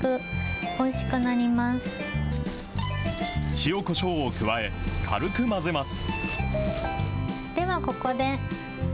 塩こしょうを加え、軽く混ぜます。